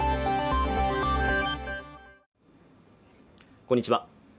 こんにちは